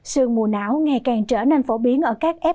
sườn mù não ngày càng trở nên phổ biến ở các khu vực